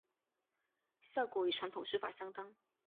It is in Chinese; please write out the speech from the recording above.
效果与传统制法相当。